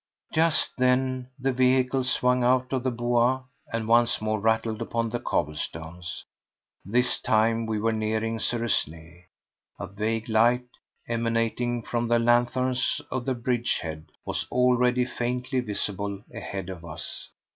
Just then the vehicle swung out of the Bois and once more rattled upon the cobblestones. This time we were nearing Suresnes. A vague light, emanating from the lanthorns at the bridge head, was already faintly visible ahead of us.